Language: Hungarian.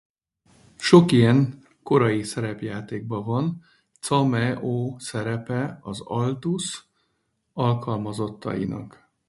Sok ilyen korai játékban van cameoszerepe az Atlus alkalmazottainak.